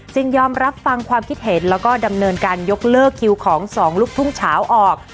ยอมรับฟังความคิดเห็นแล้วก็ดำเนินการยกเลิกคิวของสองลูกทุ่งเฉาออก